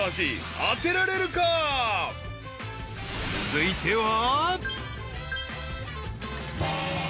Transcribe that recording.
［続いては］